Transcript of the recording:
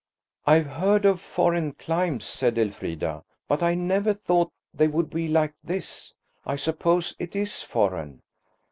"I've heard of foreign climbs," said Elfrida, "but I never thought they would be like this. I suppose it is foreign?"